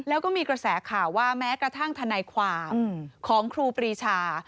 แล้วก็มีกระแสข่าวว่าแม้กระทั่งทนายความของครูปรีชา